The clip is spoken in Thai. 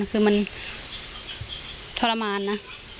คือมันทรมานนะ